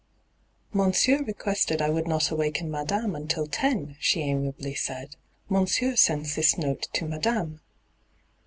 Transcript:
' Monsieur requested I would not awaken madame until ten,' she amiably said. ' Monsieur sends this note to madame.'